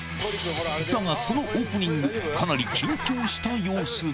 だがそのオープニング、かなり緊張した様子で。